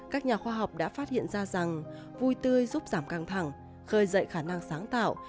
các nhà khoa học đã phát hiện ra rằng vui tươi giúp giảm căng thẳng khơi dậy khả năng sáng tạo